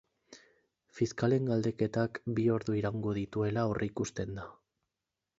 Fiskalen galdeketak bi ordu iraungo dituela aurreikusten da.